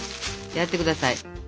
やってください。